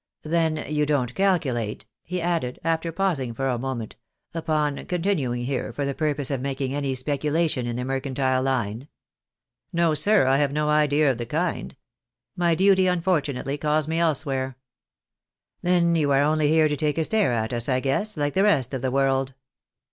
'• Then you don't calculate," he added, after pausing for a moment, " upon continuing here for the purpose of making any speculation in the mercantile Hne." " iSTo, sir, I have no idea of the kind. My duty, unfortunately, calls me elsewhere." " Then you are only here to take a stare at us, I guess, like the rest of the world.